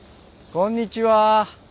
こんにちは。